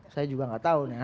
saya juga gak tahu